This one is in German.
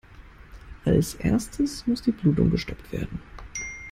Als Erstes muss die Blutung gestoppt werden.